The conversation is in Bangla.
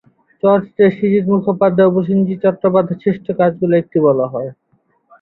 চলচ্চিত্রটিকে সৃজিত মুখোপাধ্যায় ও প্রসেনজিৎ চট্টোপাধ্যায়ের শ্রেষ্ঠ কাজগুলোর একটি বলা হয়ে থাকে।